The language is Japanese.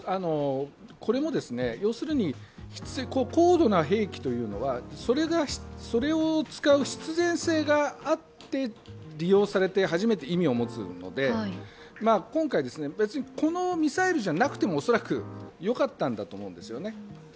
これも要するに高度な兵器というのはそれを使う必然性があって利用されて初めて意味を持つので今回、別にこのミサイルじゃなくても恐らくよかったんだと思います。